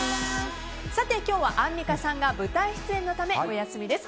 今日はアンナさんが舞台出演のためお休みです。